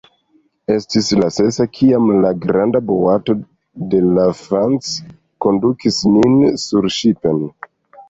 Estis la sesa, kiam la granda boato de la _Fanci_ kondukis nin surŝipen.